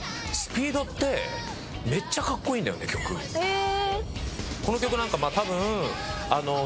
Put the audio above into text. へえ！